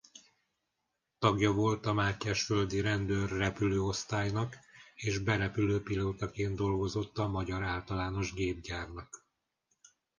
Tagja volt a mátyásföldi rendőr-repülőosztálynak és berepülőpilótaként dolgozott a Magyar Általános Gépgyárnak.